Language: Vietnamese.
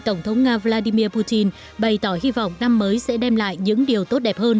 tổng thống nga vladimir putin bày tỏ hy vọng năm mới sẽ đem lại những điều tốt đẹp hơn